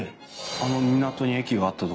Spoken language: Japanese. あの港に駅があった所